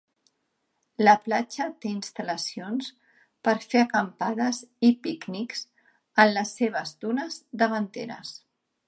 La platja té instal·lacions per fer acampades i pícnics en les seves dunes davanteres.